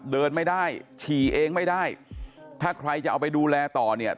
เดินไม่ได้ฉี่เองไม่ได้ถ้าใครจะเอาไปดูแลต่อเนี่ย